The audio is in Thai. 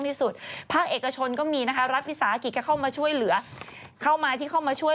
พูดไปเมื่อกี้